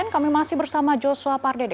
kami masih bersama joshua pardede